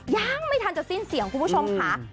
ยังไม่ทันจะสิ้นเสียงคุณผู้ชมค่ะ